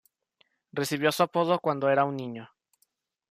Recibió su apodo cuando era un niño.